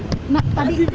kondisi golkar pak